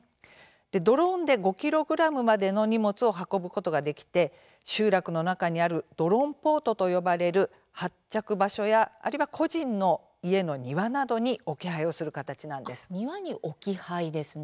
ドローンで、５ｋｇまでの荷物を運ぶことができて集落の中にあるドローンポートと呼ばれる発着場所やあるいは個人の家の庭などに庭に置き配ですね。